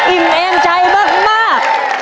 อิ่มเองใจมาก